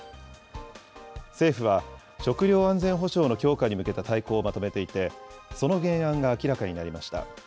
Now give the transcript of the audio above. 政府は、食料安全保障の強化に向けた大綱をまとめていて、その原案が明らかになりました。